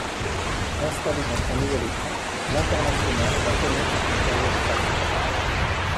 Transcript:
Installé dans son nouvel écrin, l'Internacional va connaître une période faste.